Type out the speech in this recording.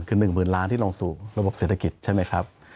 คือ๑๐๐๐ล้านที่ลงสู่ระบบเศรษฐกิจใช่ไหมครับ